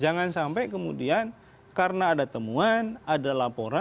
jangan sampai kemudian karena ada temuan ada laporan